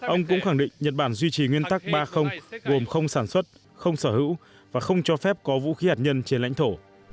ông cũng khẳng định nhật bản duy trì nguyên tắc ba gồm không sản xuất không sở hữu và không cho phép có vũ khí hạt nhân trên lãnh thổ